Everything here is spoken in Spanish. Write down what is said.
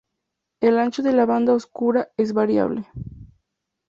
El ancho de la banda oscura es variable.